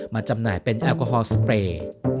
มาจำไหนเป็นแอกโกหอสเปรย์